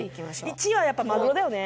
１位はやっぱまぐろだよね。